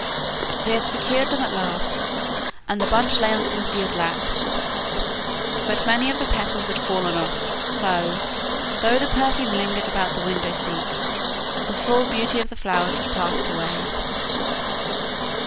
They had secured them at last, and the buds lay on Cynthia's lap, but many of the petals had fallen off; so, though the perfume lingered about the window seat, the full beauty of the flowers had passed away.